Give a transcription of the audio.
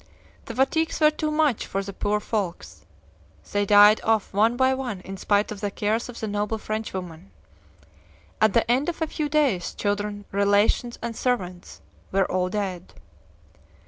The fatigues were too much for the poor folks! They died off one by one in spite of the cares of the noble Frenchwoman. At the end of a few days children, relations, and servants, were all dead!"